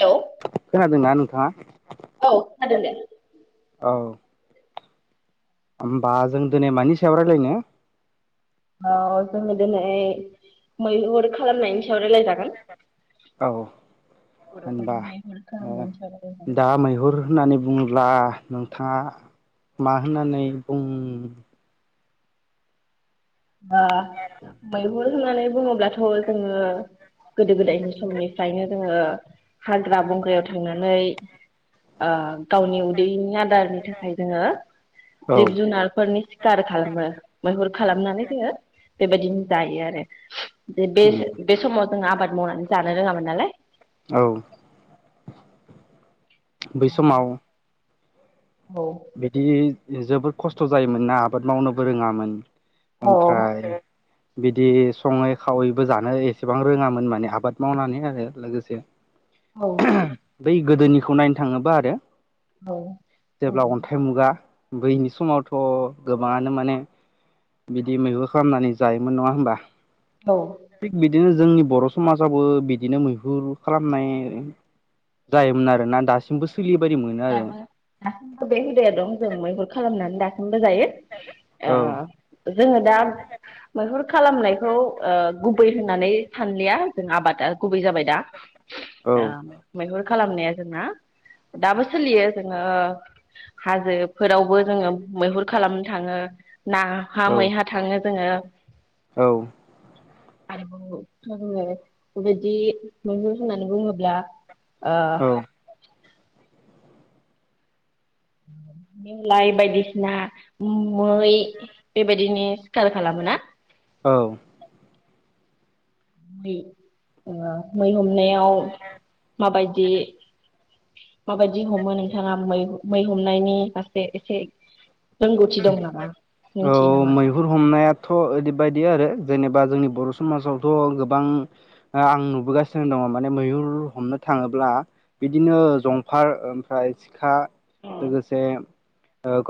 Hello खोनादोंना नोंथाङा औ खोनादों दे औ होमबा जों दिनै मानि सायाव रायज्लायनो? औ जोङो दिनै मैलुर खालामनायनि सायाव राय्लायजागोन औ होनबा मैहुर ओ खालामनायनि सायाव रायलायजागोन दा मैहुर होननानै बुङो अब्ला नोंथाङा मा होननानै बुं ओ मै हुर होननानै बुङोब्लाथ' जोङो गोदो गोदायनि समनिफ्रायनो जोङो हाग्रा बंग्रायाव थांनानै आ गावनि उदैनि आदारनि थाखा फायजोंङो औ जिब जुनारफोरनि सिखार खालामो मैहुर खालामनानै जोंङो बेबायदिनो जायो आरो जे बे बे समाव जों आबाद मावनानै जानो रोङामोन नालाय औ बै समाव औ बेदि जोबोद खस्थ' जायोमोन ना आबाद मावनोबो रोङामोन अ ओमफ्राय बिदि सङै खावैबो जानो एसेबां रोङामोन माने आबाद मावनानै आरो लोगोसे औ बै गोदोनिखौ नायनो थाङोबा आरो औ औ जेब्ला औ अन्थाइ मुगा बैनि समावथ' गोबाङानो माने बिदि मैगु खालामनानै जायोमोन नङा होमबा औ थिग बिदिनो जोंनि बर' समाजाबो बिदिनो मैहुर खालामनाय जायोमोन आरो ना दासिमबो सोलियो बायदि मोनो आरो दाबो दासिमबो बे हुदाया थ दङो मैहुर खालामनानै दासिम बो जायो आ औ जोङो दा मैहुर खालामनायखौ ओ गुबै होननानै सानलिया जों आबादा गुबै जाबाय दा औ आ मैहुर खालामनाया जोंना दाबो सोलियो जोङो हा जो फोरावबो जोङो मैहुर खालामनो थाङो नाहा औ मैहा थाङो जोङो औ आरोबाव जोङो बेबायदि मैहर होननानै बुङोब्ला ओ नेवलाय बायदिसिना मै बेबायदिनो सिखार खालामोना औ मै ओ मै हम नायाव माबायदि माबायदि हमो नोंथाङा मै मै हमनायनि फासे एसे रोंगौथि दं नामा औ मिथियो नामा? मैहुर हमनायाथ' ओरैबायदि आरो जेनेबा जोंनि बर' समाजावथ' गोबां ओ आं नुबोगासिनो दङ माने मैहुर हमनो थाङोब्ला बिदिनो जंफार ओमफ्राय सिखा लोगोसे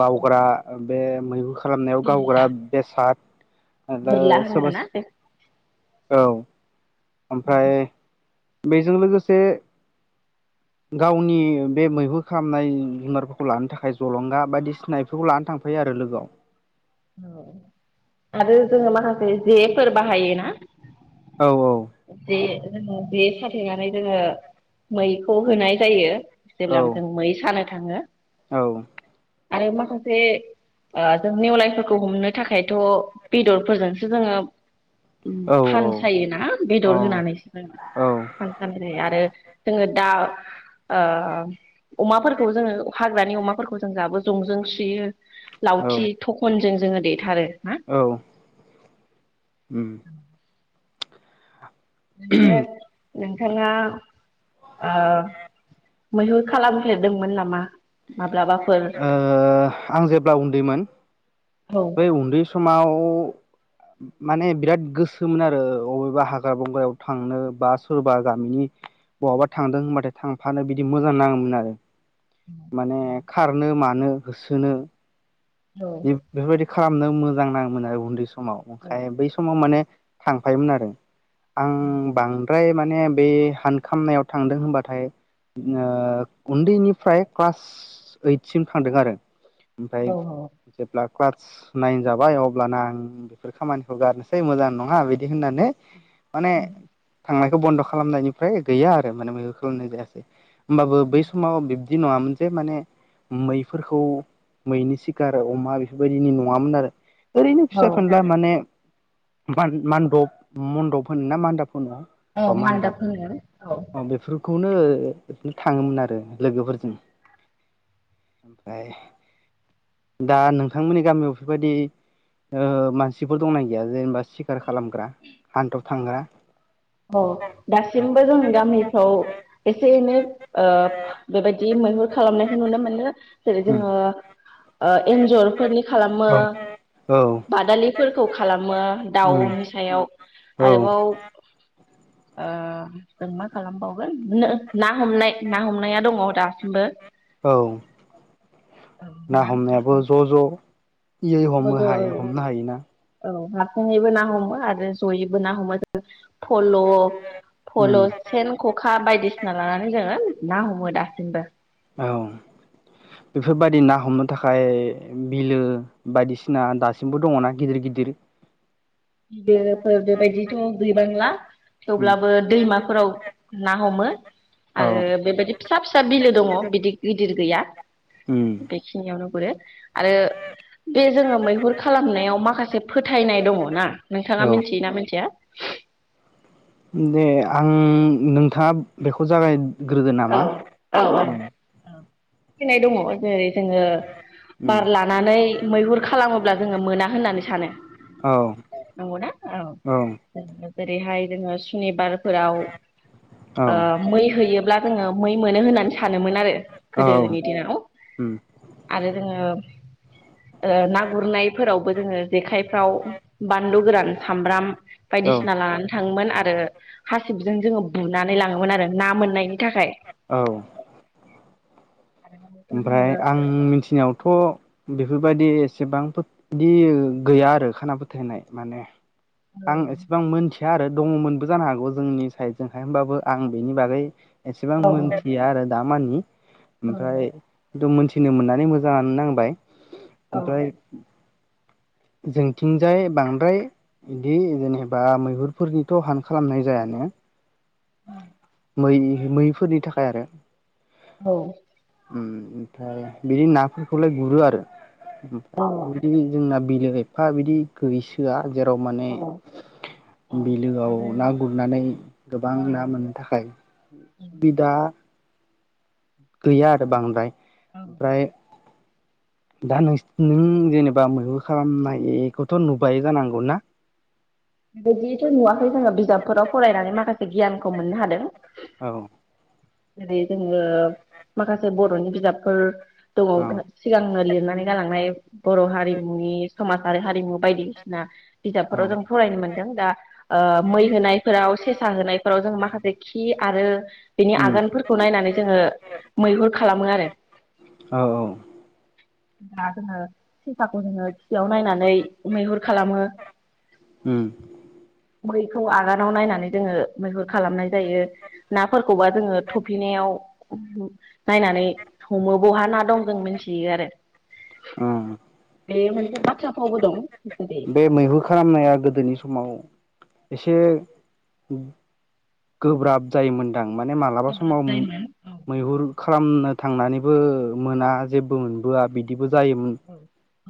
गावग्रा बे मैहु खालामनायाव बोरला गावग्रा बेसाद आरो बोरला सोरबा होनोना बे औ ओमफ्राय बेजों लोगोसे गावनि बे मैहु खालामनाय जुनारफोरखौ लानो थाखाय जलंगा बायदिसिनाफोरखौ लानानै थांफैायो आरो लोगोआव आरो जोङो माखासे जेफोर बाहायो ना औ औ जे जे साथेनानै जोङो मैखौ होनाय जायो औ जेब्ला जों मै सानो थाङो औ आरो माखासे जों नेवलायफोरखौ हमनो थाखाय थ' बेदरफोरजोंसो जोङो औ फानसायो ना? दर होनानैसो आरो जोङो दा अमाफोरखौ जोङो हाग्रानि अमाफोरखौ जों जाबो जंजों सुयो औ लावथि थखन जों जोङो देथारो ना औ उम बिदिनो नोंथाङा मैहुर खालामफेरदोंमोन नामा? माब्लाबाफोर आं जेब्ला उन्दैमोन औ बै उन्दै समाव माने बिराद गोसोमोन आरो अबेबा हाग्रा बंग्रायाव थांनो बा सोरबा गामिनि बहाबा थांदों होनबाथाय थांफानो बिदि मोजां नाङोमोन आरो। माने खारनो मा नो होसोनो औ बे बेफोरबायदि खालामनो मोजां नाङोमोन आरो उन्दै सम समाव औ ओमफाय बै समाव माने थां फायोमोन आरो आं बांद्राय माने बे हानखामनायाव थांदों होनबाथाय उन्दैनिफ्राय क्लास ओइटसिम थांदों आरो ओमफ्राय औ औ जेब्ला क्लास नाइन जाबाय अब्लाना आं बेफोर खामानिखौ गारनोसै मोजां नङा बिदि होननानै माने औ थांनाय बन्द' खालामनायनिफ्राय गैया आरो माने बे खालामनाय जायासै। होमबाबो बै समाव बिदि नङामोन जे माने मैफोरखौ मैनि सिगां गारो अमा बेफोरबायदिनि नङामोन आरो। ओरैनो औ फिसा फेनब्ला माने मान्दब मन्दप होन ना मान्दब औ अ मानद मान्दाब होनो औ बेफोरखौनो बिदिनो थाङोमोन आरो लोगोफोरजों ओमफ्राय दा नोंथांमोननि गामियाव बेफोरबायदि मानसिफोर दंना गैया जेनेबा सिखार खालामग्रा हान्थ' थांग्रा। औ दासिमबो जोंनि गामिफ्राव एसे एनै बेबायाददि मैहुर खालामनायखौ नुनो मोनो। औ सदोंङ [unintelligible] ओ एन्जरफोरनि खालामो, औ बादालिफोरखौ खालामो, उम दाउनि सायाव औ आरोबाव ओ जों मा खालामबावगोन ना हमनाय, ना हमनाया दङ दासिमबो। औ ना हमनायाबो ज' ज' इयै हमो ह हमनो हायोना [unintelligible] औ हारासिङैबो ना हमो आरो जयैबो ना हमो जेरै फल' फल' उम सेन ख'खा बायदिसिना लानानै जोङो ना हमो दासिमबो औ बेफोरबायदि ना हमनो थाखाय बिलो बायदिसिना दासिमबो दङना गिदिर गिदिर? बिे ओ बेबायदिथ' गैबांला उम थेवब्लाबो दैमाफोराव ना हमो औ आरो बेबायदि फिसा फिसा बिलो दङ बिदि गिदिर गैया। उम औ [unintelligible] बेखिनिानोग [unintelligible] आरो बे जोङो मैहुर खालामनायाव माखासे फोथायनाय दङ ना? औ नोंथाङा मिथियोना मिथिया? दे आं नोंथाङा बेखौ जागाय ग्रोदो नामा? गिनाय दङ जेरै जोङो उम बार लानानै मैहुर खालामोब्ला जोङो मोना होननानै सानो औ नंगौना औ जेरैहाय जोंङो सि सुनिबार फोराव औ ओ मै होयोब्ला ओ मै मोनो होननानै सानोमोन आरो औ गोदोनि दिनाव। उम आरो जोङो ओ ओ ना गुरनायफोरावबो जोङो जेखायफ्राव बानलु गोरान सामब्राम औ बायदिसिना लानानै थाङोमोन आरो हासिबजों जोङो बुनानै लाङोमोन आरो ना मोननायनि नि थाखाय औ। ओमफ्राय आं मिथिनायावथ' बेफोरबायदि एसेबांफोर बिदि गैया आरो खाना फोथायनाय माने। आं एसेबां मोन्थि‌ या आरो दङमोनबो जानो हागौ जोंनि साइदजोंहाय होमबाबो आं बेनि बागै एसेबां औ मोन्थिया आरो दा मानि औ ओमफ्राय दुम मोन्थिनो मोननानै मोजांआनो नांबाय। ओमफाय जोंथिंजाय बांद्राय बिदि जेनेबा मैहुरफोरनिथ' हान खालामनाय जायानो। हुम मै-मैफोरनि थाखाय आरो औ। उम ओमफ्राय बिदि नाफोरखौलाय गुरो आरो ओमफाय औ इदिनो जोंना बिलो फा बिदि गैसोआ जेराव माने औ औ बिलोआव आरो ना गुरनानै गोबां औ ना मोननो थाखाय सुबिदा गैया आरो बांद्राय। ओमफ्राय दा नोंसि नों जेनेबा मैहु खालामनायखौथ' नुबाय जानांगौ ना? बेदिथ' नुवाखै जोङो बिजाबफोराव फरायनानै माखासे गियानखौ मोननो हादों। औ। जेरै जोङो माखासे बर'नि बिजाबफोर दङ औ घो सिगांनो लिर नानै गालांनाय बर' हारिमुनि समाजारि हारिमु बायदिसिना औ बिजाबफोराव जों फरायनो मोन्दों दा ओ मै होनायफोराव सेसा होनायफोराव जों माखासे बेखि आरो उम खौ नायनानै जोङो मैहुर खालामो आरो औ औ दा जोङो सेसाखौ जोङो [unintelligible] नायनानै मैहुर खालामो उम मैखौ आगानाव नायनानै जोङो मैहुर खालामनाय जायो नाफोरखौबा जों थफिनायाव नायनानै हमो बहा ना दं जों मिथियो आरो उम बे मोनसे बाथ्रा फावबो दं जेरै बे मैहुर खालामनाया गोदोनि समाव एसे गोब्राब जायोमोनदां माने मालाबा गोब्राब समाव जायोमोन औ मैहुर खालामनो थांनानैबो मोना जेबो मोनबोआ बिदि औ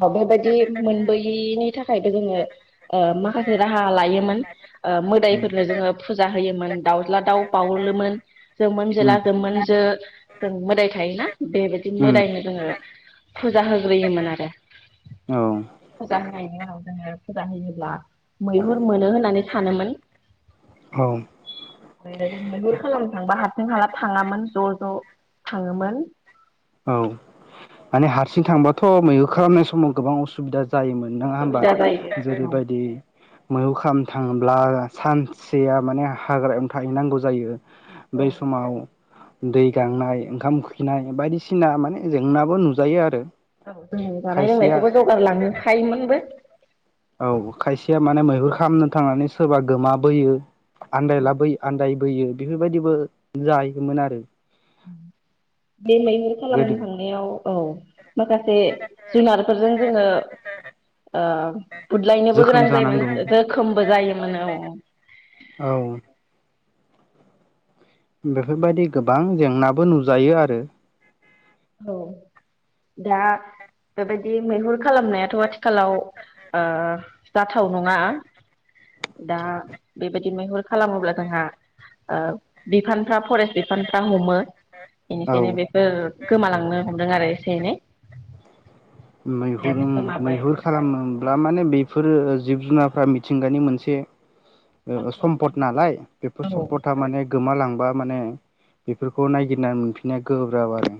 औ बेबायादि मोनबोयिनि थाखाय थाखायथ जोङो ओ माखासे राहा लायोमोन ओ मोदायफोरनो जोङो फुजा होयोमोन दाउज्ला दाउ बावलोमोन जोंमोन जोला उम जोममोन जो जों मोदाय थायोना बेबायदि उम मोदायनो जोङो फुजा हो योमोन आरो औ फुजा होनाय बिनि उनाव जोङो फुजा होयोब्ला मैहुर मोनो होननानै सानोमोन। औ मैहुर खालामनो थांबा हा सिं हाला थाङामोन ज' ज' थाङोमोन। औ माने हारसिं थांबाथ' मैहुर खालामनाय समाव गोबां असुबिदा जायोमोन नोङा हबा सुबिदा जायो औ जेरैबायदि मैहुर खालामनो थांब्ला सानसेया माने हाग्रायावनो थाहैनांगौ जायो। बै समाव दै गांनाय ओंखाम उखैनाय बायदिसिना सिना माने जेंनाबो नुजायो आरो औ जों जानाय खायसेया लोंनायखौबो जगार लांनो फायोमोनबो। औ खायसेया माने मैहुर खालामनो थांनानै सोरबा गोमा बोयो आनदायलाबोयो आनदायबोयो बेफोरबायदिबो जायोमोन आरो [inaudible] बे मैहुर गोदो खालामनो थांनायाव औ माखासे जुनारफोरजों जोङो ओ बुदलायनोबो जोखोम गोनां जायोमोन जानांगौ जोखोमबो जायोमोन औ औ बेफोरबायदि गोबां जेंनाबो नुजायो आरो औ दा बेबायदि मैहुर खालामनायाथ' आथिखालाव ओ जाथाव नङा। दा बेबायदि मैहुर खालामोब्ला जोंहा ओ बिफान फ्रा फरेस्ट बिफानफ्रा हमो। औ बेनिखायनो बेफोर नो हमदों आरो एसे एनै मैहुर मैहुर खालामोब्ला माने बेफोरो जिब जुनारफ्रा मिथिंगानि मोनसे ओ सम्पद नालाय बेफोर सम्पदा माने गोमालां बा माने बेफोरखौ नायगिरनानै मोनफिननाया गोब्राब आरो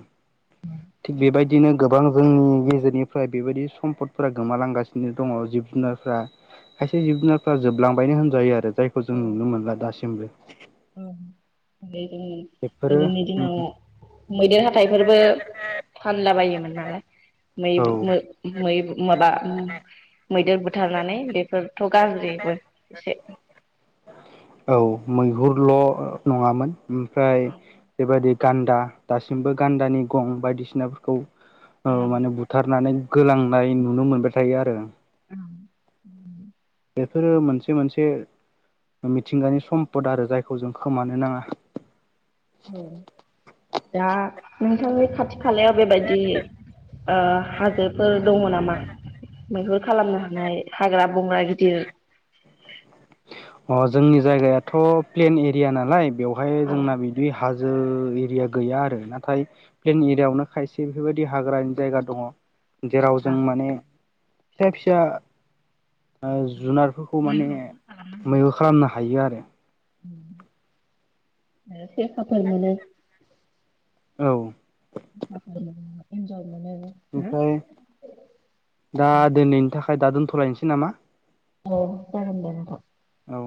थिग बेबायदिनो गोबां जोंनि गेजेर निफ्राय बेबायदि सम्पदफोरा गोमालांगासिनो दङ जिब जुनारफ्रा खायसे जिब जुनारफ्रा जोबलांबायनो होनजायो आरो जायखौ जों नुनो मोनला दासिमबो [unintelligible] अ [unintelligible] ओ बेफोरो गोदोनि दिनाव मैदेर हाथाइफोरबो फानला बायोमोन नालाय मै औ मै माबा मैदेर बुथारनानै बेफोरथ गाज्रिबो एसे औ मैहुरल नङामोन ओमफ्राय बेबादि गान्दा दासिमबो गान्दानि गं बायदिसिनाफोरखौ औ माने बुथारनानै गोलांनाय नुनो मोनबाय थायो आरो बेफोरो मोनसे मोनसे मिथिंगानि सम्पद आरो जायखौ जों खोमानो नाङा ओ दा नोंथांनि खाथि खालायाव बेबायदि ओ हाजो फोर दङ नामा मैहुर खालामनो हानाय हाग्रा बुंग्रा गिदिर अ जोंनि जायगायाथ प्लेन एरिया नालाय बेयाव ओमफाय जोंना बिदि हाजो एरिया गैया आरो नाथाय प्लेन एरियाायावनो खायसे बेफोरबायदि हाग्रानि जायगा दङ जेराव जों औ माने फिसा फिसा ओ जुनारफोरखौ माने। मैबो खालामनो हायो आरो [unintelligible] औ। [unintelligible] ओमफ्राय दा दिनैनि थाखाय दा दोनथ लायनोसै नामा औ जागोन दे नोंथां। औ